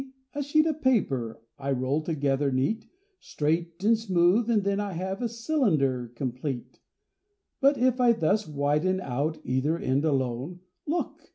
a sheet of paper I roll together neat, Straight and smooth, and then I have A cylinder complete; But if thus I widen out Either end alone, Look!